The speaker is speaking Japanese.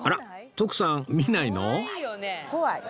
徳さん見ないの？